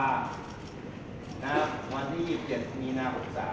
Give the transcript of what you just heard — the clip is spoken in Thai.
นะครับวันที่๒๗มีนา๖๓